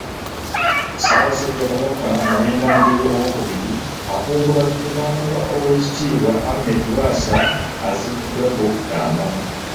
Ssaabasajja Kabaka Muwenda Mutebi Owookubiri, akungubagidde maama wa Oweekitiibwa Ahmed Lwasa aziikiddwa ku Lwokutaano.